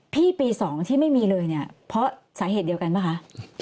พี่ปี๒ไม่มีเลยเพราะสาเหตุเดียวกันไหมคะ